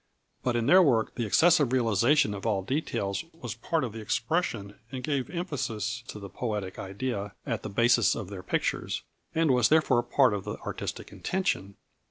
But in their work the excessive realisation of all details was part of the expression and gave emphasis to the poetic idea at the basis of their pictures, and was therefore part of the artistic intention.